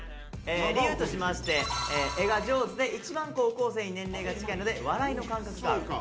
理由としまして絵が上手で一番高校生に年齢が近いので笑いの感覚が合う。